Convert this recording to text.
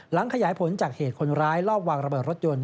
ขยายผลจากเหตุคนร้ายลอบวางระเบิดรถยนต์